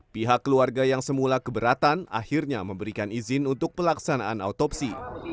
pihak keluarga yang semula keberatan akhirnya memberikan izin untuk pelaksanaan autopsi